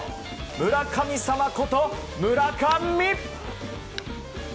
村神様こと村上！